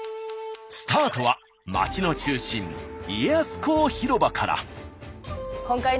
スタートは町の中心家康公ひろばから。